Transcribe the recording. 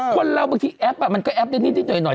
คนเราบางทีแอปก็แอปได้นิดโดย่หน่อย